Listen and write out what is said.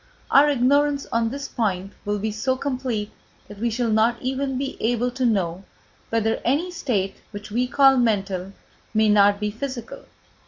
Our ignorance on this point will be so complete that we shall not even be able to know whether any state which we call mental may not be physical.